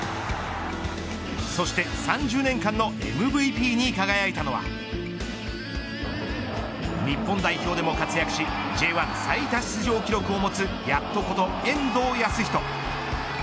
そして３０年間の日本代表でも活躍しＪ１最多出場記録を持つヤットこと遠藤保仁。